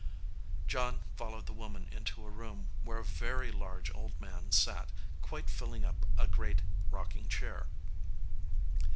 John followed the woman into a room where a very large old man sat, quite filling up a great rocking chair.